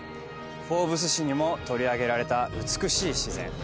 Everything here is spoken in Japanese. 『Ｆｏｒｂｅｓ』誌にも取り上げられた、美しい自然。